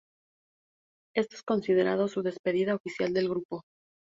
Esto es considerado su despedida oficial del grupo.